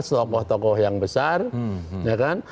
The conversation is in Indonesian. tokoh tokoh yang besar ya kan